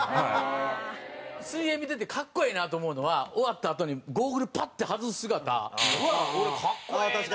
水泳見てて格好ええなと思うのは終わったあとにゴーグルパッて外す姿俺格好ええなって。